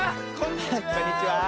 こんにちは。